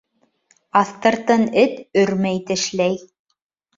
Аҫтыртын эт өрмәй тешләй.